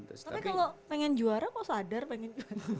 tapi kalau pengen juara kok sadar pengen gimana